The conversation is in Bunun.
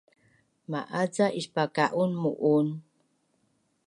Ma’az ca ispaka’un mu’un?